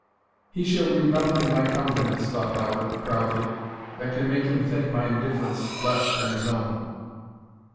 He shall read nothing in my countenance, thought Halbert, proudly, that can make him think my indifference less than his own.